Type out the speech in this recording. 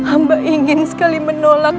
amba ingin sekali menolak